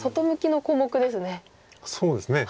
そうですね。